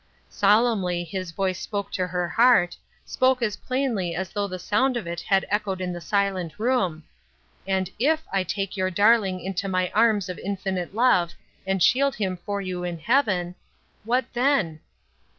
Solemnly his voice spoke to her heart, spoke as plainly as though the sound of it had echoed in the silent room :" And if I take your darling into my arms of infinite love, and shield him for vou in heaven, what 424 Euth Erskines Crosses. then